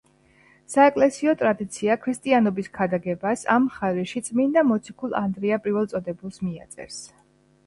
საეკლესიო ტრადიცია ქრისტიანობის ქადაგებას ამ მხარეში წმინდა მოციქულ ანდრია პირველწოდებულს მიაწერს.